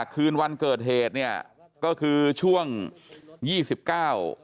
คืนวันเกิดเหตุเนี่ยก็คือช่วงยี่สิบเก้า